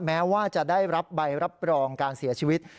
แม้ว่าจะได้รับใบรับรองการเสียชีวิต